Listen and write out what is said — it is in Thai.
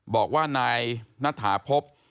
บอกว่านายนัทหาพบ